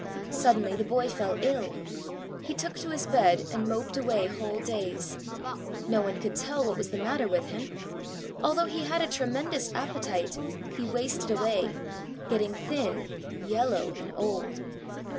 Suddenly the boy fell ill. He took to his bed, and moped away whole days. No one could tell what was the matter with him. Although he had a tremendous appetite, he wasted away, getting thin, yellow, and old.